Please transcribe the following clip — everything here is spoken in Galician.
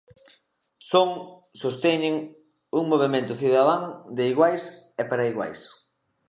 Son, sosteñen, un movemento cidadán de iguais e para iguais.